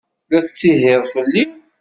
La tettihiḍ fell-i?